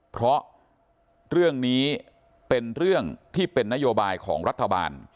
เพราะเรื่องนี้เป็นเรื่องที่เป็นนโยบายของรัฐบาล